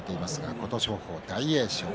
琴勝峰、大栄翔。